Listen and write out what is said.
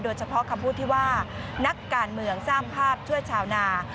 เฉพาะคำพูดที่ว่านักการเมืองสร้างภาพช่วยชาวนา